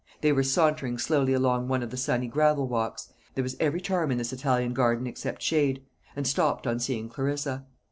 They were sauntering slowly along one of the sunny gravel walks there was every charm in this Italian garden except shade and stopped on seeing Clarissa.